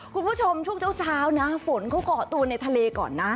คุณผู้ชมช่วงเช้านะฝนเขาก่อตัวในทะเลก่อนนะ